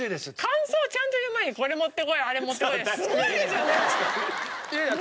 感想をちゃんと言う前にこれ持ってこいあれ持ってこいすごいですよね。